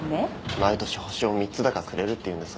毎年星を三つだかくれるって言うんですが。